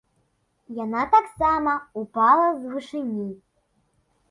Яна таксама ўпала з вышыні.